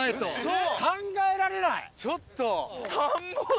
ちょっと！